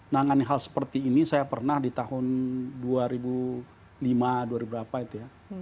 nangani hal seperti ini saya pernah di tahun dua ribu lima dua ribu berapa itu ya